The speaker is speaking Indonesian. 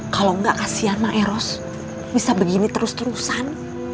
kalau gak kasihan maeros bisa begini terus terusan